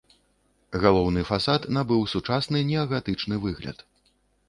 Галоўны фасад набыў сучасны неагатычны выгляд.